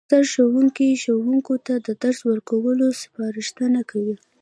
سرښوونکی ښوونکو ته د درس ورکولو سپارښتنه کوي